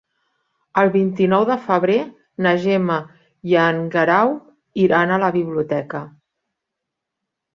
El vint-i-nou de febrer na Gemma i en Guerau iran a la biblioteca.